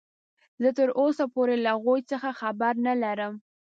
زه تراوسه پورې له هغوې څخه خبر نلرم.